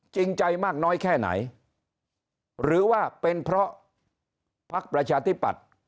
จริงใจมากน้อยแค่ไหนหรือว่าเป็นเพราะพักประชาธิปัตย์